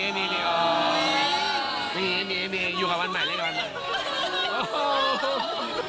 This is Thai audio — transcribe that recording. อยู่กับวันใหม่เล่นกับวันใหม่